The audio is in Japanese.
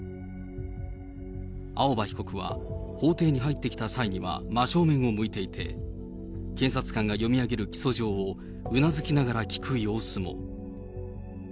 青葉被告は法廷に入ってきた際には真正面を向いていて、検察官が読み上げる起訴状を、うなずきながら聞く様子も。